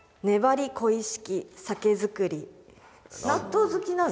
納豆好きなの？